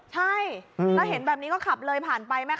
ใช่แล้วเห็นแบบนี้ก็ขับเลยผ่านไปนะคะ